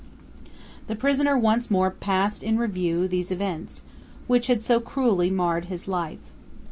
The prisoner once more passed in review these events, which had so cruelly marred his life.